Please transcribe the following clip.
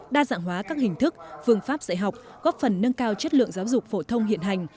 đa dạng hóa các hình thức phương pháp dạy học góp phần nâng cao chất lượng giáo dục phổ thông hiện hành